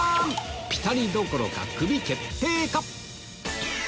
ピタリどころかクビ決定か？